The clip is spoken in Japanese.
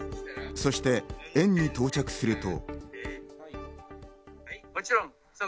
そして園に到着すると。